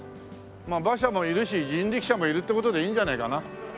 まあ馬車もいるし人力車もいるって事でいいんじゃないかな。